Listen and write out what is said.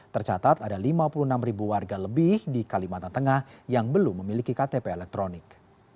tercatat ada lima puluh enam ribu warga lebih di kalimantan tengah yang belum memiliki ktp elektronik